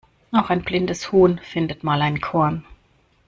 Auch ein blindes Huhn findet mal ein Korn.